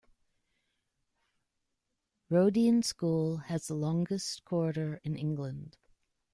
Roedean school has the longest corridor in England.